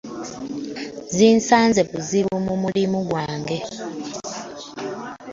Sisanze buzibu mu mulimu gwange.